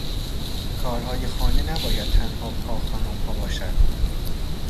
کارهای خانه نباید تنها پا خانمها باشد.